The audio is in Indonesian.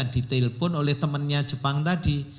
ditelepon oleh temannya jepang tadi